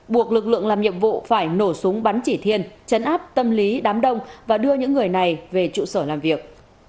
buộc lực lượng làm nhiệm vụ phải nổ súng bắn chỉ thiên chấn áp tâm lý đám đông và đưa những người này về trụ sở làm việc